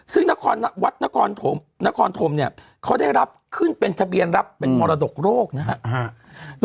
ซึ่งนครวัดนครธมเนี่ยเขาได้รับขึ้นเป็นทะเบียนรับเป็นมรดกโรคนะครับ